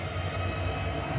何？